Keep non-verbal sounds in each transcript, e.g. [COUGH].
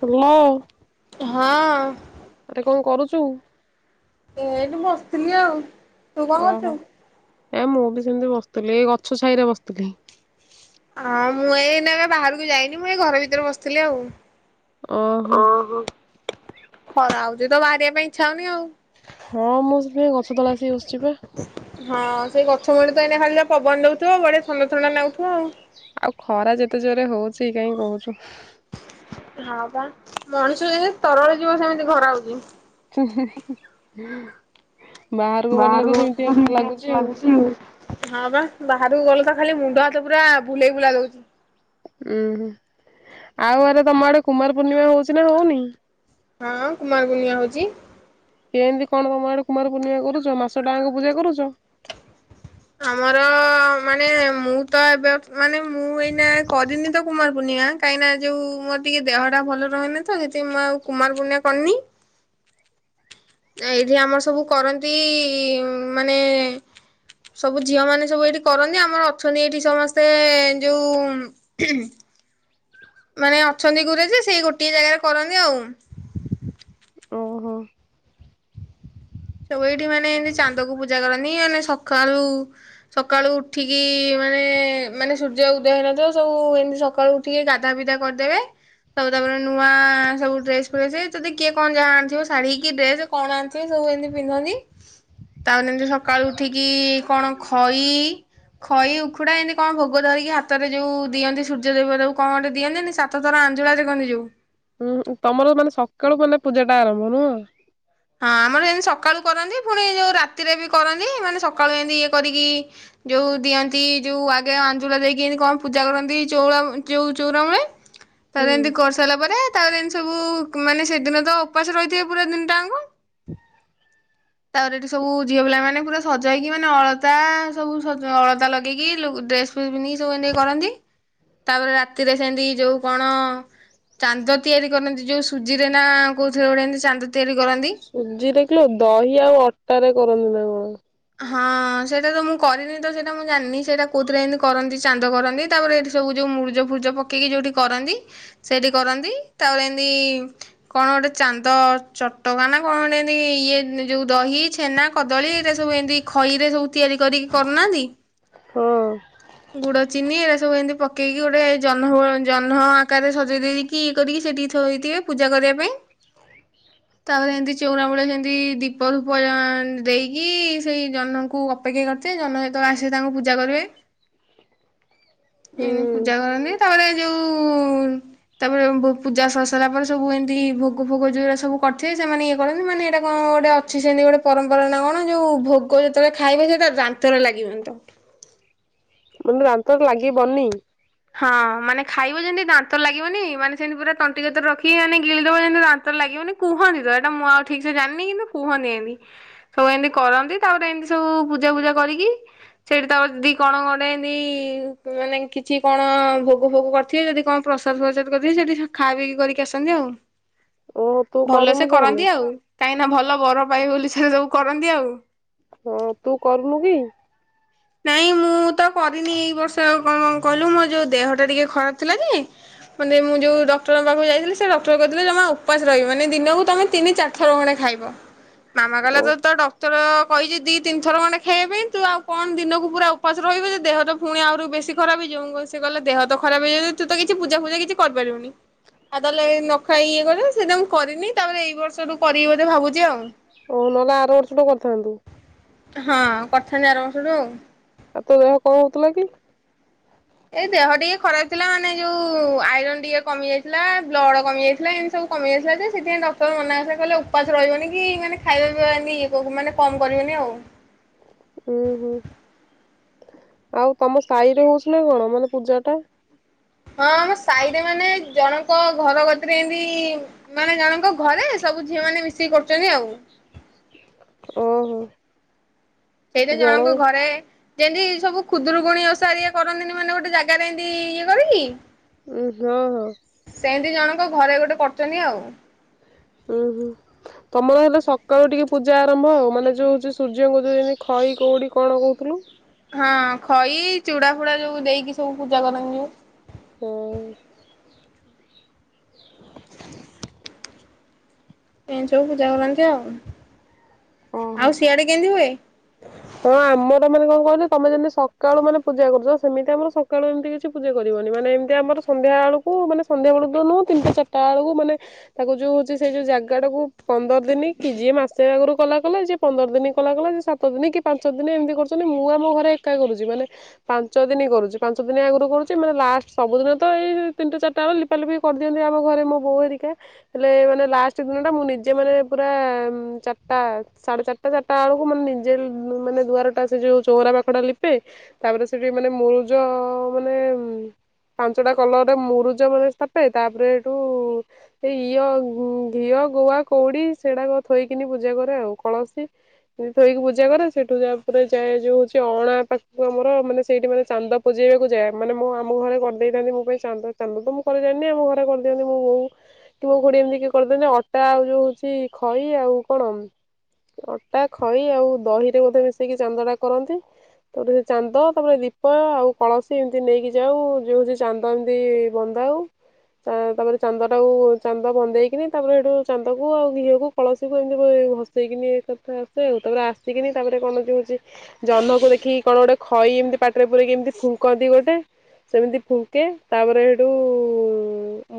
Hello ହଁ ଆରେ କଣ କରୁଚୁ? ଏଇଠି ବସି ଥିଲି ଆଉ। ତୁ କଣ ଓହୋ କରୁଚୁ? ଏ ମୁଁ ବି ସେମିତି ବସିଥିଲି ଏଇ ଗଛ ଛାଇରେ ବସିଥିଲି। ହଁ ମୁଁ ଏଇ ନା ଏବେ ବାହାରକୁ ଯାଇନି ମୁଁ ଏଇ ଘର ଭିତରେ ବସିଥିଲି ଆଉ। ଓହୋ ଖରା ହଉ ଯଜି ତ ବାହାରିବା ପାଇଁଛ ହନି ଆଉ ହଁ ମୁଁ ସ ଗଛ ତଳେ ଆସ ହଁ ସେଇ ଗଛ ମୂଣି ଦେ ଖାଲି ପବନ ଦଉଥିବ ବଢଆ ଛନ ଛଣ୍ଡ ନଉଥିବ ଆଉ ଆଉ ଖରା ଯେତେ ଜୋରେ ହଉଛି କାହିଁ କହୁଛୁ ହଁ ବା ମଣିଷ ତରଳ ଯିବ ସେମିତି ଘର ହଉଛି ହୁଁ ବାହାର ଗ ଆଉ। ଲାଗୁଛି ବାହାରକୁ ଗଲ ତ ଖାଲି ମୁଣ୍ଡ ହାତ ପୁରା ବୁଲେଇ ବୁଲା ଲଉଛି ଉୁଁ ହ ଆଉ ଆରେ ତମ ଆଡେ କୁମାର ପୂର୍ଣ୍ଣିମା ହଉଛି ନା ହଉନି ହଁ କୁମାର ଗୁନିଆ ହଉଛି। ଏ ଏମିତି କଣ କମ ଆଡେ କୁମାରୀ ପୂର୍ଣ୍ଣିମା କରୁଛ ମାସ ଟାଙ୍କୁ ପୂଜା କରୁଛ। ଆମର ମାନେ ମୁଁ ତ ଏବେ ମାନେ ମୁଁ ଏଇଟା କରିନି ତ କୁମାର ପୂର୍ଣ୍ଣିମା କାହିଁକିନା ଯୋଉ ମୋର ଟିକେ ଦେହ ଟା ଭଲ ରହେନି ତ ସେଥିାଇଁ ମୁଁ ଆଉ କୁମାର ପୂର୍ଣ୍ଣିମା କରିନି ଏଇଠି ଆମର ସବୁ କରନ୍ତି ମାନେ ସବୁ ଝିଅ ମାନେ ସବୁ ଏଇଠି କରନ୍ତି ଆମର ଅଛନ୍ତି ଏଇଠି ସମସ୍ତେ ଯୋଉ ମାନେ ଅଛନ୍ତି ଘରେ ଯେ ସେଇ ଗୋଟିଏ ଜାଗାରେ କରନ୍ତି ଆଉ ଓହୋ ସବୁ ଏଇଠି ମାନେ ଏମତି ଚାନ୍ଦକୁ ପୂଜା କନି ମାନେ ସକାଳୁ ସକାଳୁ ଉଠିକି ମାନେ ମାନେ ସୂର୍ଯ୍ୟ ଉଦୟ ନଦିବ ସବୁ ଏମିତି ସକାଳୁ ଉଠିକି ଗାଧା ବିିଧା କରିଦେବେ ସବୁ ତାପରେ ନୂଆ ସବୁ ଡ୍ରେସ ପେଇ ତଦେ କିଏ କଣ ଯାହା ଆଣିଥିବ ଶାଢୀ କି ଡ୍ରେସ କଣ ଆଣିଥିବ ସବୁ ଏମିତି ପିନ୍ଧନ୍ତି ତାପରେ ଏମିତି ସକାଳୁ ଉଠିକି କଣ ଖଇ ଖଇ ଉଖୁଡା ଏମିତି କଣ ଭୋଗ ଧରିକି ହାତରେ ଯୋଉ ଦିଅନ୍ତି ସୂର୍ଯ୍ୟଦେବ ତାବ କଣ ଗୋଟେ ଦିଅନ୍ତିି ସାତ ଥର ଆଞ୍ଜୁଳା ଦେଖନ୍ତି ଯୋଉ ହୁଁ ତମର ମାନେ ସକାଳୁ ମାନେ ପୂଜା ଟା ଆରମ୍ଭ ନୁହଁ? ହଁ ଆମର ଏମତି ସକାଳୁ କରନ୍ତି ପୁଣି ଯୋଉ ରାତିରେ ବି କରନ୍ତି ମାନେ ସକାଳୁ ଏମିତି ଇଏ କରିକି ଯୋଉ ଦିଅନ୍ତି ଯୋଉ ଆଗେ ଆଞଜୁଳା ଦେଇକି ଏମତି କଣ ପୂଜା କରନ୍ତି ଚଉ ଯୋଉ ଚଉର ମୂଳେ ହୁଁ ତାରେ ଏମିତି କରିସାରିଲା ପରେ ତାପରେ ଏମିତି ସବୁ ମାନେ ସେଦିନ ତ ଉପାସ ରହିଥିବେ ପୁରା ଦିନଟାଙ୍କ [INAUDIBLE] ତାପରେ ଏଠି ସବୁ ଝିଅ ପିଲା ମାନେ ପୁରା ସଜେଇକି ମାନେ ଅଳତା ସବୁଜ ଅଳତା ଲଗେଇକି ଡ୍ରେସ ଫ ପିନ୍ଧିକି ସବୁ ଏମତି କରନ୍ତି ତାପରେ ରାତିରେ ସେମତି ଯୋଉ କଣ ଚାନ୍ଦ ତିଆରି କରନ୍ତି ଯୋଉ ସୁଜିରେ ନା କୋଉଥିଲେ ଗୋଟେ ଏମିତି ଚାନ୍ଦ ତିଆରି କରନ୍ତି ସୁଜି ଦେଖିଲୁ ଦହି କିଏ ଆଉ ଅଟା ରେ କରନ୍ତି ନା କଣ? ହଁ ସେଇଟା ତ ମୁଁ କରିନି ତ ସେଇଟା ମୁଁ ଜାଣିନି ସେଇଟା କୋଉଥିରେ ଏମତି କରନ୍ତି ଚାନ୍ଦ କରନ୍ତି ତାପରେ ଏଇଠି ସବୁ ଯୋଉ ମୁର୍ଜ ଫୁର୍ଜ ପକେଇକି ଯୋଉଠି କରନ୍ତି ସେଇଠି କରନ୍ତି ତାପରେ ଏମିତି କଣ ଗୋଟେ ଚାନ୍ଦ ଚଟକାନ କଣ ଗୋଟେ ଏମତି ଇଏ ଯୋଉ ଦହି ଛେନା କଦଳୀ ଏଇଟା ସବୁ ଏମିତି ଖଇ ରେ ସବୁ ତିଆରି କରିକି କରୁନାହାନ୍ତି। ଗୁଡ ହଁ ଚିନି ଏଟା ସବୁ ଏମିତି ପକେଇକି ଗୋଟେ ଜହ୍ନ ଜହ୍ନ ଆକାରରେ ସଜେଇ ଦେଇକି ଇଏ କରିକି ସେଠିକିଥ ହେଇଥିବେ ପୂଜା କରିବା ପାଇଁ ତାପରେ ଏମତି ଚଉନା ମୂଳ ସେମିତି ଦୀପ ଧୂପ ଦେଇକି କି ସେଇ ଜନଙ୍କୁ ଅପେକ୍ଷା କରିଥାେ ଜନ ସତ ଆସେ ତାଙ୍କୁ ପୂଜା କରିବେ ଏଇନି ହୁଁ। ପୂଜା କରନ୍ତି। ତାପରେ ଯୋଉ ତାପରେ ପୂଜା ସ ସାରିଲା ପରେ ସବୁ ଏମିତି ଭୋଗ ଫୋଗ ଯୋଉଟା ସବୁ କରିଥିବେ ସେମାନେ ଇଏ କରନ୍ତି ମାନେ ଏଇଟା କଣ ଗୋଟେ ଅଛି ସେମିତି ଗୋଟେ ପରମ୍ପରା ନା କଣ? ଯୋଉ ଭୋଗ ଯେତେବେଳେ ଖାଇବେ ସେଟା ଦାନ୍ତରେ ଲାଗିବ ତ ମାନେ ଦନ୍ତର ଲାଗିବନନି ହଁ ମାନେ ଖାଇବ ଯେମିତି ଦାନ୍ତ ଲାଗିବନି ମାନେ ସେମିତି ପୁରା ତଣ୍ଟି ଗତର ରଖି ମାନେ ଗିଳିଦବ ଯେମିତି ଦାନ୍ତ ଲାଗିବନି କୁହନ୍ତି ତ ଏଇଟା ମୁଁ ଆଉ ଠିକ ସେ ଜାଣିନି କିନ୍ତୁ କୁହନ୍ତି ଏମତି ସବୁ ଏମତି କରନ୍ତି ତାପରେ ଏମିତି ସବୁ ପୂଜା ପୂଜା କରିକି ସେଠି ତାପରେ ଦି କଣ କଟେ ଏମିତି ମାନେ କିଛି କଣ ଭୋଗ ଫୋଗ କରିଥିବେ ଯଦି କଣ ପ୍ରସାଦ ଫସାଦ କରିଥିବେ ସେଠି ଖା ପିଇି କରିକି ଆସନ୍ତି ଆଉ ଓ ତୁ କରୁନ ତାହଲେ କାହିଁକିନା ଭଲ ବର ପାଇ ବୋଲି ସେଟ ସବୁ କରନ୍ତି ଆଉ ହଁ ତୁ କରୁନୁ କି? ନାଇଁ ମୁଁ ତ କରିନି ଏଇ ବର୍ଷ କଣ କହିଲୁ ମୋର ଯୋଉ ଦେହ ଟା ଟିକେ ଖରାପ ଥିଲା ଯେ ମାନେ ମୁଁ ଯୋଉ ଡକ୍ଟରଙ୍କ ପାଖକୁ ଯାଇଥିଲି ସେ ଡକ୍ଟର କହିଥିଲେ ଜମା ଉପାସ ରହିବନି ମାନେ ଦିନକୁ ତମେ ତିନି ଚାରି ଥର ଖଣ୍ଡେ ଖାଇବ। ମାମା ଓ କାଲା ତ ତ ଡକ୍ଟର କହିଛି ଦି ତିନିଥର ଖଣ୍ଡେ ଖାଇବା ପାଇଁ ତୁ ଆଉ କଣ ଦିନକୁ ପୁରା ଉପାସ ରହିବ ଯେ ଦେହ ତ ପୁଣି ଆହୁରି ବେଶୀ ଖରାପ ହେଇଯିବ କ ସେ କଲେ ଦେହ ତ ଖରାପ ହେଇଯାଉ ତୁ ତ କିଛି ପୂଜା ଫୂଜା କିଛି କରିପାରିବୁନି ଆଉ ତାହେଲେ ନଖା ଇଏ କଲେ ସେଇଟା ମୁଁ କରିନି ତାପରେ ଏଇ ବର୍ଷଠୁ କରିବି ବୋଧେ ଭାବୁଛି ଆଉ। ଓ ନହଲା ଆର ବର୍ଷ ଠୁ କରିଥାନ୍ତୁ। ହଁ କରିଥାନ୍ତି ଆର ବର୍ଷ ଠୁ ଆଉ। ଏ ତ ଦେହ କଣ ହଉଥିଲା କି? ଏଇ ଦେହ ଟିକେ ଖରାପ ଥିଲା ମାନେ ଯୋଉ ଆଇରନ୍ ଟିକେ କମି ଯାଇଥିଲା ବ୍ଲଡ କମି ଯାଇଥିଲା ଏମିତି ସବୁ କମି ଯାଇଥିଲା ଯେ ସେଥିପାଇଁ ଡକ୍ଟର ମନାକରିଥିଲା କହିଲେ ଉପାସ ରହିବନି କି ମାନେ ଖାଇବା ପିଇିବା ମାନେ କମ କରିବନି ଆଉ। ଉୁଁ ହୁଁ ଆଉ ତମ ସାହିରେ ହଉଛି ନା କଣ ମାନେ ପୂଜା ଟା ହଁ ଆମ ସାହିରେ ମାନେ ଜଣ ଘର କତିରେ ଏମତି ମାନେ ଜଣଙ୍କ ଘରେ ସବୁ ଝିଅ ମାନେ ମିଶେଇ କରୁଛନ୍ତି ଆଉ। ଓ ହୋ। ସେଇଟା ଜଣଙ୍କୁ ଘରେ ଯେମତି ସବୁ ଖୁଦରୁକୁୁଣୀ ଓସାର ଇଏ କରନ୍ତିନି ମାନେ ଗୋଟେ ଜାଗାରେ ଏମିତି ଇଏ କରିକି ଉ ହଁ ହଁ। ଏମିତି ଜଣଙ୍କ ଘରେ ଗୋଟେ କରଚନି ଆଉ। ହୁଁ ହୁଁ ତମର ହେଲେ ସକାଳୁ ଟିକେ ପୂଜା ଆରମ୍ଭ ଆଉ ମାନେ ଯୋଉ ହଉଛି ସୂର୍ଯ୍ୟଙ୍କୁ ଯୋଉମତି ଖଇ କୋଉଡି କଣ କହୁଥିଲୁ ହଁ ଖଇ ଚୁଡା ଫୁଡା ଯୋଉ ଦେଇକି ସବୁ ପୂଜା କରନ୍ତି ଯୋଉ ହଁ। ଏ ସବୁ ପୂଜା କରନ୍ତି ଆଉ। ଓହୋ ଆଉ ସିଆଡେ କେମିତି ହୁଏ। ହଁ ଆମର ମାନେ କଣ କହିଲେ ତମେ ଯେମିତି ସକାଳୁ ମାନେ ପୂଜା କରୁଛ ସେମିତି ଆମର ସକାଳୁ ଏମିତି କିଛି ପୂଜା କରିବନି ମାନେ ଏମିତି ଆମର ସନ୍ଧ୍ୟା ବେଳକୁ ମାନେ ସନ୍ଧ୍ୟା ବେଳକୁ ତ ନୁହଁ ତିନିଟା ଚାରିଟା ବେଳକୁ ମାନେ ତାକୁ ଯୋଉ ହଉଛି ସେଇ ଯୋଉ ଜାଗା ଟାକୁ ପନ୍ଦର ଦିନ କି ଯିଏ ମାସେ ଆଗରୁ କଲା କଲା ଯିଏ ପନ୍ଦର ଦିନି କଲା କଲା ଯଏ ସା ସାତ ଦିନ କି ପାଞ୍ଚ ଦିନ ଏମିତି କରୁଛନ୍ତି ମୁଁ ଆମ ଘରେ ଏକା କରୁଛି ମାନେ ପାଞ୍ଚ ଦିନ କରୁଛି ପାଞ୍ଚ ଦିନ ଆଗରୁ କରୁଛି ମାନେ ଲାଷ୍ଟ ସବୁଦିନ ତ ଏଇ ତିନିଟା ଚାରିଟା ବେଳେ ଲିପାଲିପି କରିଦିଅନ୍ତି ଆମ ଘରେ ମୋ ବୋଉ ହେରିକା ହେଲେ ମାନେ ଲାଷ୍ଟ ଦିନ ଟା ମୁଁ ନିଜେ ମାନେ ପୁର ଚାରିଟା ସାଢେ ଚାରିଟା ଚାରିଟା ବେଳକୁ ମାନେ ନି ମାନେ ଦୁଆର ଟା ସେ ଯୋଉ ଚଉରା ପାଖଟା ଲିପେ ତାପରେ ସେଠି ମାନେ ମୁରୁଜ ମାନେ ପାଞ୍ଚଟା କଲରରେ ମୁରୁଜ ମାନେ ସ୍ଥାପେ ତାପରେ ସେଠୁ ସେ ଇଏ ଘିଅ ଗୁଆ କୋଉଡି ସେଟା ଥୋଇକିନି ପୂଜା କରେ ଆଉ କଳସୀ ଥୋଇକି ପ ଜାକରେ ସେଠୁ ଯା ପରେ ଯାଏ ଯୋଉ ହଉଛି ଅଣା ପାଖକୁ ଆମର ମାନେ ସେଇଠି ମାନେ ଚାନ୍ଦ ପଜେଇବାକୁ ଯାଏ ମାନେ ମୁଁ ଆମ ଘରେ କରିଦେଇଥାନ୍ତି ମୋ ପାଇଁ ଚାନ୍ଦ ଚାନ୍ଦ ତ ମୁଁ କରିଯାଏନି ଆମ ଘରେ କରିଦିଅନ୍ତି ମୋ ବୋଉ କି ମୋ ଖଙଡି ଏମିତି କିଏ କରିଦିନ୍ତି ଅଟା ଆଉ ଯୋଉ ହଉଛି ଖଇ ଆଉ କଣ ଅଟା ଖଇ ଆଉ ଦହିରେ ମଧ୍ୟୋ ମିଶେଇକି ଚାନ୍ଦଟା କରନ୍ତି ତାପରେ ସେ ଚାନ୍ଦ ତାପରେ ଦୀପ ଆଉ କଳସୀ ଏମିତି ନେଇକି ଯାଉ ଯେଉ ହେଉଛି ଚାନ୍ଦ ଏମିତି ବନ୍ଦାଉ ତାପରେ ଚାନ୍ଦଟାକୁ ଚାନ୍ଦ ବନ୍ଧେଇକିନି ତାପରେ ସେଠୁ ଚାନ୍ଦକୁ ଆଉ ଘିଅକୁ କଳସୀକୁ ଏମିତି ଭସେଇକିନି ଏକଥା ଆସେ ଆଉ ତାପରେ ଆସ ସିକିନି ତାପରେ କଣ ଯୋଉ ହଉଛି ଜହ୍ନକୁ ଦେଖି କଣ ଗୋଟେ ଖଇ ଏମତି ପା ତା ପା କେମିତି ଫୁଙ୍କନ୍ତି ଗୋଟେ ସେମିତି ଫୁଙ୍କେ ତାପରେ ସେଇଠୁ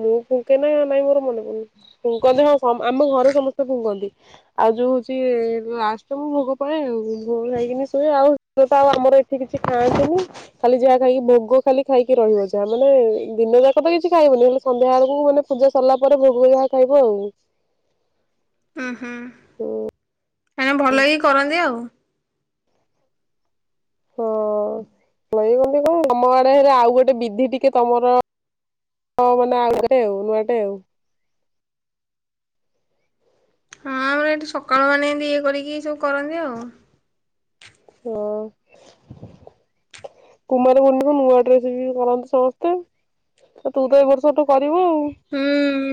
ମୁଁ ଫୁଙ୍କେ ନା ନାଇଁ ମୋର ମନେ ପ ଫୁଙ୍କନ୍ତି ହଁ ଆମ ଘରେ ସମସ୍ତେ ଫୁଙ୍କନ୍ତି ଆଉ ଯୋଉ ହଉଛି ଲାଷ୍ଟକୁ ଭୋ କ ଆଉ ଭୋଗ ଖାଇକିନି ଶୁଏ ଆଉ ତ ଆଉ ଆମର ଏଠି କିଛି ଖାଆନ୍ତିନି ଖାଲି ଯାହା ଖାଇକି ଭୋଗ ଖାଲି ଖାଇକି ରହିବ ଯାହା ମାନେ ଦିନ ଯାକ ତ କିଛି ଖାଇବନି ଖଲି ସନ୍ଧ୍ୟା ବେଳକୁ ମାନେ ପୂଜା ସରିଲା ପରେ ଭୋଗ ଯାହା ଖାଇବ ଆଉ। ହଁ ହୁଁ। ହୁଁ। ଆଁ ଭଲକି କରନ୍ତି ଆଉ। ହଁ ଲ କଣ ତମ ଆଡେ ହେରେ ଆଉ ଗୋଟେ ବିଧି ଟିକେ ତମର ମାନେ ଆଉ ଗୋଟେ ଆଉ ନୂଆଟେ ଆଉ। ହଁ ଆମର ଏଠି ସକାଳୁ ମାନେ ଇଏ କରିକି ଏ ସବୁ କରନ୍ତି ଆଉ। ହଁ କୁମାର ପୂର୍ଣ୍ଣିମା କୁ ନୂଆ ଡ୍ରେସ ବି କରନ୍ତିୁ ସମସ୍ତେ ତୁ ତ ଏ ବର୍ଷଠୁ କରିବୁ ଆଉ ହଁ। ହୁଁ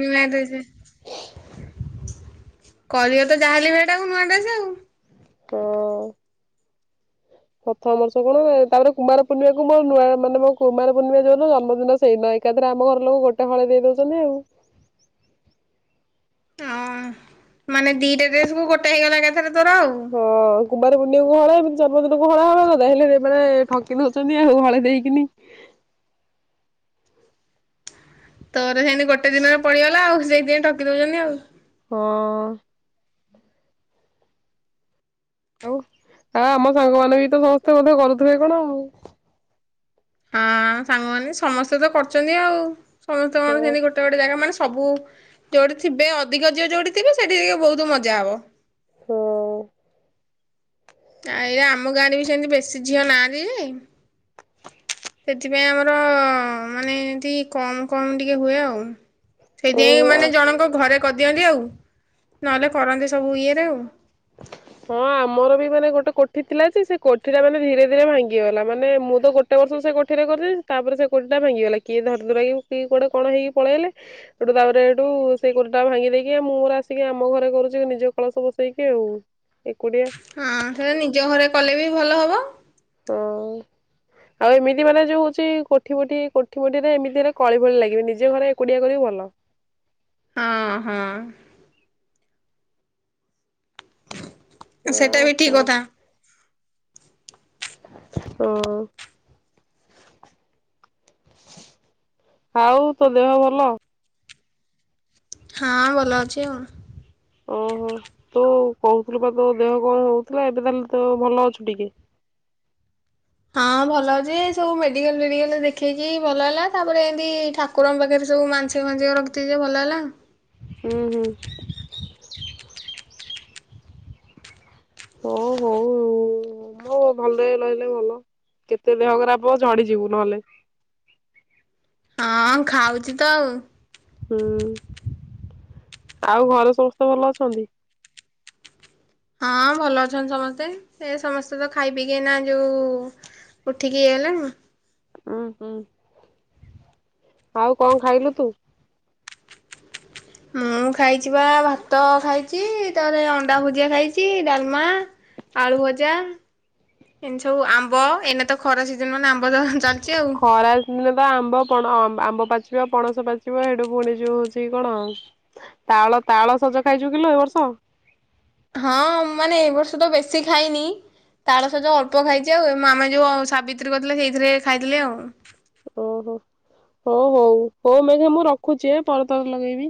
ନୂଆ ଡ୍ରେସ କିରିବ ତ ଯାହାେଲେ ହେଟାକୁ ନୂଆଡ୍ରେସ ଆଉ। ହଁ। ପ୍ରଥମ ବର୍ଷ କଣ ତାପରେ କୁମାର ପୂର୍ଣିମାକୁ ମୋ ନୂଆ ମାନେ ମୋ କୁମାର ପୂର୍ଣ୍ଣିମା ଯଉନ ଜନ୍ମଦିନ ସେଇ ନ ଏକାଥରେ ଆମ ଘର ଲୋକ ଗୋଟେ ହଳେଇ ଦେଇ ଦଉଛନ୍ତି ଆଉ। ହଁ ମାନେ ଦିଟା ଡ୍ରେସ କୁ ଗୋଟେ ହେଇଗଲାଏକାଥରେ ହଁ କୁମାର ପୂର୍ଣ୍ଣିମା ଏବେ ହଳେ ଜନ୍ମ ଦିନକୁ ହଳେ ହଳେ ହେଲେ ବେଳେ ଠକି ଦଉଛନ୍ତି ହଳେ ଦେଇକିନି। ତ ତ ସେନ ଗୋଟେ ଦିନରେ ପଡିଗଲା ଆଉ। ସେଇଥି ପାଇଁ ଠକି ଦଉଛନ୍ତି ଆଉ। ହଁ। ଆଉ ହ ଆମ ସାଙ୍ଗ ମାନେ ବି ତ ସମସ୍ତେ ମଧ୍ୟ କରୁଥିବେ କଣ ଆଉ। ହଁ ସାଙ୍ଗମାନେ ସମସ୍ତେ ତ କରଛନ୍ତି ଆଉ। ସମସ୍ତଙ୍କର ହଁ ସେମିତି ଗୋଟେ ଗୋଟୋ ଜାଗା ମାନେ ସବୁ ଯୋଉଠି ଥିବେ ଅଧିକ ଝିଅ ଯୋଉଠି ଥିବେ ସେଠି ଟିକେ ବହୁତ ମଜା ହବ। ହଁ। ଆରେ ଆମ ଗାଁରେ ବି ସେମିତି ବେଶୀ ଝିଅ ନାହାନ୍ତି ଯେ ସେଥିପାଇଁ ଆମର ମାନେ ଏମିତି କମ କମ ଟିକେ ହୁଏ ଆଉ। ଓ ସେଇଥିାଇଁ ମାନେ ଜଣଙ୍କ ଘରେ କରିଦିଅନ୍ତି ଆଉ। ନହେଲେ କରନ୍ତି ସବୁ ଇଏରେ ଆଉ। ହଁ ଆମର ବି ମାନେ ଗୋଟେ କୋଠି ଥିଲା ଯେ ସେ କୋଠି ଟା ମାନେ ଧୀରେ ଧୀରେ ଭାଙ୍ଗିଗଲା ମାନେ ମୁଁ ତ ଗୋଟେ ବର୍ଷ ସେ କଠିରେ କରୁ ଥିଲି ତାପରେ ସେ କୋଠି ଟା ଭାଙ୍ଗିଗଲା କିଏ ଧରିଦୁର କି କିଏ କୋଆଟେ କଣ ହେଇକି ପଳେଇଲେ ସେଠୁ ତାପରେ ସେଇଠୁ ସେ କୋଠୀ ଟା ଭାଙ୍ଗି ଦେଇେଇକି ମୁଁ ମୋର ଆସିକି ଆମ ଘରେ କରୁଛି ନିଜ କଳସ ବସେଇକି। ସେଉ। ହଁ ସେଟା ନିଜ ଘରେ କଲେ ବି ଭଲ ହବ। ହଁ ଆଉ ଏମିତି ମାନେ ଯୋଉ ହଉଛି କୋଠି ମୋଠି କୋଠିମୋଠି ରେ ଏମିତିରେ କଳି ଭଳି ଲାଗିବେ ନିଜେ ଘରେ ଏକୁଟିଆ କରିବୁ ଭଲ। ହଁ ହଁ। ଓ ସେଇଟା ବି ଠିକ କଥା‌। ହ ଆଉ ତୋ ଦେହ ଭଲ। ହଁ ଭଲ ଅଛି ଆଉ। ଓହୋ ତୁ କହୁଥିଲୁ ବା ତୋ ଦେହ କଣ ହଉଥିଲା। ଏବେ ତାହେଲେ ତୋ ଭଲ ଅଛୁ ଟିକେ। ହଁ ଭଲ ଅଛି ସବୁ ମେଡିକାଲ ଫେଡିକାଲ ଦେଖେଇକି ଭଲ ହେଲା। ତାପରେ ଏମତି ଠାକୁରଙ୍କ ପାଖରେ ସବୁ ମାଂଶିକ ଫାଶିକ ରଖି ଥିଲି ଭଲ ହେଲା। ଉଁ ହୁଁ। [INAUDIBLE] ହଉ ହଉ ମୁଁ ଭଲ ରହିଲେ ଭଲ କେତେ ଦେହ ଖରାପ ହବ ଝଡିଯିବୁ ନହେଲେ। [INAUDIBLE] ହଁ ଖାଉଛି ତ ଆଉ ହୁଁ [INAUDIBLE] ଆଉ ଘରେ ସମସ୍ତେ ଭଲ ଅଛନ୍ତି। ହଁ ଭଲ ଅଛନ୍ତି ସମସ୍ତେ ଏ ସମସ୍ତେ ତ ଖାଇ ପିକି ନା ଯୋଉ ଉଠିକି ଇଏ ହେଲେ। ଉଁ ହୁଁ [INAUDIBLE] ଆଉ କଣ ଖାଇଲୁ ତୁ? ମୁଁ ଖାଇଛି ବା ଭାତ ଖାଇଛି ତାପରେ ଅଣ୍ଡା ଭୁଜିଆ ଖାଇଛି ଡାଲମା ଆଳୁ ଭଜା ଏମିତି ସବୁ ଆମ୍ବ ଏଇନେ ତ ଖରା ସିଜନ ମାନେ ଆମ୍ ଖରା ଦିନ ପା ଆମ୍ବ ପଣ ଆମ୍ବ ପାଚିବ ପଣସ ପାଚିବ ହେଡୁ ଫୁଣି ଯୋଉ ହଉଛି କଣ ତାଳ ତାଳ ସଜ ଖାଇଛୁ କିଲ ଏ ବର୍ଷ। ହଁ ମାନେ ଏ ବର୍ଷ ତ ବେଶୀ ଖାଇନି। ତାଳସଯ ଅଳ୍ପ ଖାଇଛି ଆଉ ମାମା ଯୋଉ ସାବିତ୍ରୀ କରିଥିଲେ। ସେଇଥିରେ ଖାଇଥିଲି ଆଉ। ଓହୋ ହଉ ହଉ ହଉ ମ ମୁଁ ରଖୁଛି ଏ ପରେ ତୋର ଲଗେଇବି।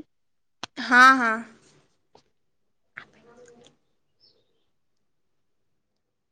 ହଁ ହଁ। [INAUDIBLE]